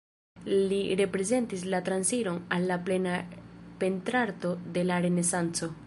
Li reprezentis la transiron al la plena pentrarto de la Renesanco.